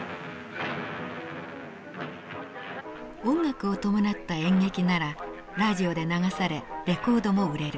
音楽を伴った演劇ならラジオで流されレコードも売れる。